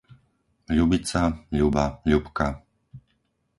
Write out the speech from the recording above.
Ľubica, Ľuba, Ľubka